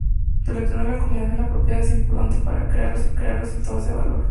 Seleccionar la combinación apropiada es importante para crear resultados de valor.